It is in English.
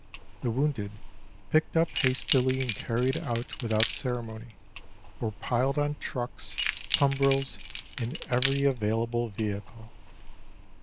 The wounded, picked up hastily and carried out without ceremony, were piled on trucks, tumbrils and every available vehicle.